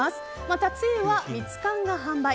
また、つゆはミツカンが販売。